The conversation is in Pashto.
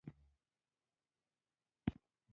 د مثال په توګه د کښتیو په ډیزاین کې لږ تحول راغی